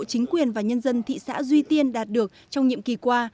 chính quyền và nhân dân thị xã duy tiên đạt được trong nhiệm kỳ qua